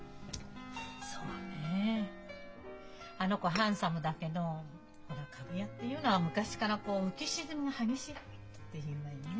そうねあの子ハンサムだけどほら株屋っていうのは昔からこう浮き沈みが激しいって言うわよね。